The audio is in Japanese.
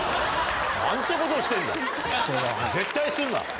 何てことをしてんだ絶対すんな。